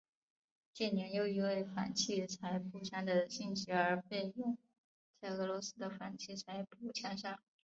近年又因为反器材步枪的兴起而被用在俄罗斯的反器材步枪上。